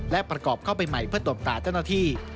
และประกอบเข้าไปใหม่เพื่อตบตาเจ้าหน้าที่